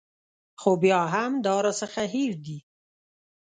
خو بیا هم دا راڅخه هېر دي.